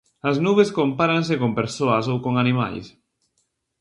As nubes compáranse con persoas ou con animais.